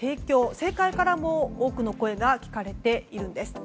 政界からも多くの声が聞かれているんです。